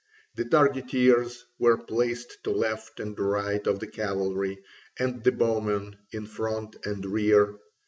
The targeteers were placed to left and right of the cavalry, and the bowmen in front and rear.